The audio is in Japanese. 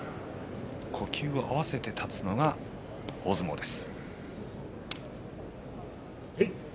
呼吸を合わせて立つのが大相撲です。